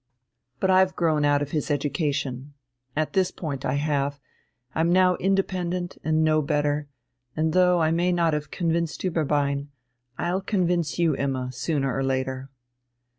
But I've now grown out of his education, at this point I have, I'm now independent and know better; and though I may not have convinced Ueberbein, I'll convince you, Imma, sooner or later."